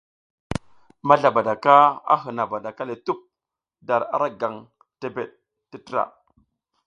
Mazlabadaka a hǝna badaka le tup dar ara gaŋ tebeɗ tǝtra.